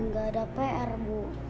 gak ada pr bu